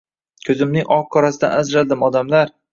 Ko‘zimning oq-qorasidan ajraldim odamlar